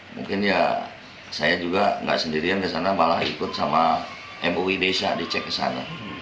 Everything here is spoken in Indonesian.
mungkin saya juga tidak sendirian di sana malah ikut sama mui desa di cek ke sana